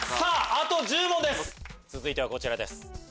あと１０問です続いてはこちら。